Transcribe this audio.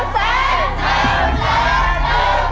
๒๔๔ไหม๒๔